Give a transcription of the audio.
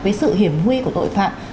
với sự hiểm huy của tội phạm